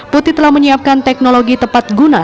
putih telah menyiapkan teknologi tepat guna